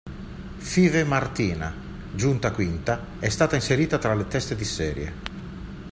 Five Martina, giunta quinta, è stata inserita tra le teste di serie.